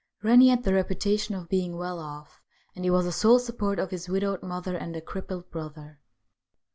Eennie had the reputation of being well off, and he was the sole support of his widowed mother and a crippled brother.